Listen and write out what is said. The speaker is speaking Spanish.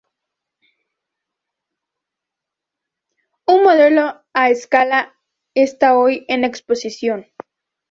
Un modelo a escala está hoy en exposición.